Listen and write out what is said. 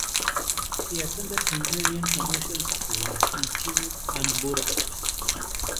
He attended Hungarian Commercial School in Fiume and Budapest.